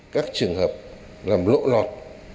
các trường hợp làm lộ lọt